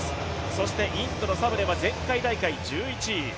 そしてインドのサブレは前回大会１１位。